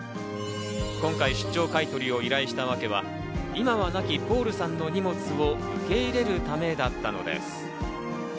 今回、出張買い取りを依頼したわけは今は亡きポールさんの荷物を受け入れるためだったのです。